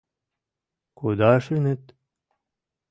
— Кудашыныт?